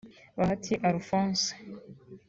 ’Bahati Alphonse’